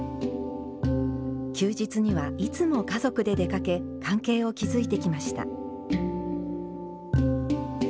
休日にはいつも家族で出かけ関係を築いてきました。